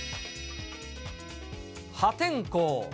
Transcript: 破天荒。